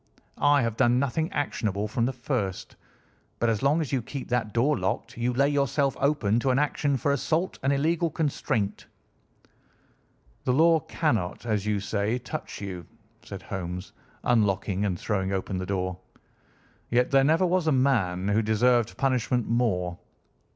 I have done nothing actionable from the first, but as long as you keep that door locked you lay yourself open to an action for assault and illegal constraint." "The law cannot, as you say, touch you," said Holmes, unlocking and throwing open the door, "yet there never was a man who deserved punishment more.